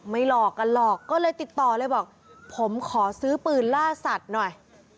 หลอกกันหรอกก็เลยติดต่อเลยบอกผมขอซื้อปืนล่าสัตว์หน่อย